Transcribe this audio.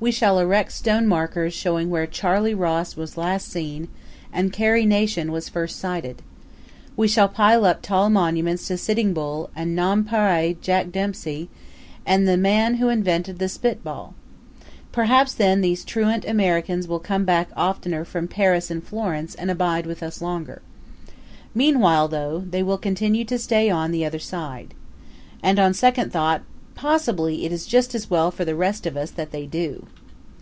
We shall erect stone markers showing where Charley Ross was last seen and Carrie Nation was first sighted. We shall pile up tall monuments to Sitting Bull and Nonpareil Jack Dempsey and the man who invented the spit ball. Perhaps then these truant Americans will come back oftener from Paris and Florence and abide with us longer. Meanwhile though they will continue to stay on the other side. And on second thought, possibly it is just as well for the rest of us that they do.